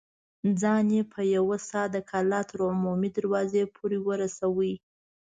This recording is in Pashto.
ځان يې په يوه سا د کلا تر عمومي دروازې پورې ورساوه.